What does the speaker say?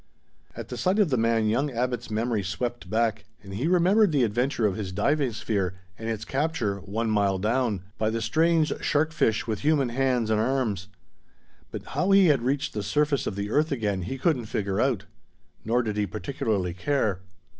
At the sight of the man, young Abbot's memory swept back, and he remembered the adventure of his diving sphere, and its capture, one mile down, by the strange shark fish with human hands and arms. But how he had reached the surface of the earth again, he couldn't figure out. Nor did he particularly care.